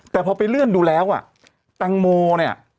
แต่พอไปเลื่อนดูแล้วอ่ะแตงโมเนี่ย